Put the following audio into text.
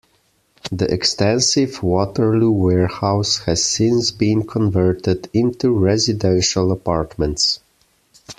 The extensive Waterloo Warehouse has since been converted into residential apartments.